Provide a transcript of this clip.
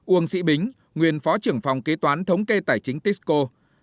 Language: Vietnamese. uông sĩ bính nguyên phó trưởng phòng kế toán thống kê tài chính tisco